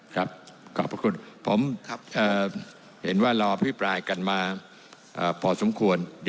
ขอบพระคุณผมเห็นว่ารอพิปรายกันมาพอสมควร